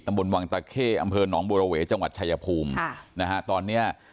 ตำบลวังตะเข้อำเภอหนองบูรเวจังหวัดชายภูมินะฮะตอนเนี้ยอ่า